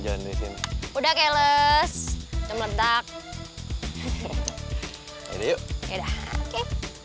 jalan di sini udah keles meledak yuk ya udah oke